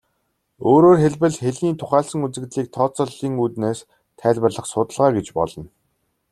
Өөрөөр хэлбэл, хэлний тухайлсан үзэгдлийг тооцооллын үүднээс тайлбарлах судалгаа гэж болно.